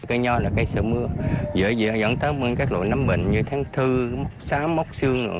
cây nho là cây sợ mưa dễ dàng gắn tới các lỗ nắm bệnh như tháng thư sám mốc xương